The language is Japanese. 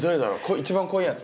一番濃いやつ？